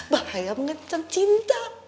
bahaya mengancam cinta